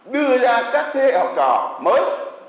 đưa ra các thế hệ học trò mới